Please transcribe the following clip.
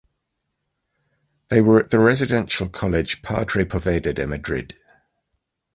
They were at the Residential College Padre Poveda de Madrid.